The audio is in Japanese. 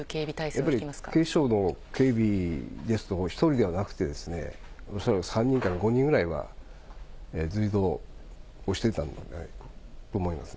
やっぱり警視庁の警備ですと、１人ではなくて、恐らく３人から５人ぐらいは随行をしていたんじゃないかなと思います。